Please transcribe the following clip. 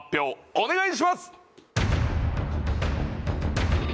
お願いします！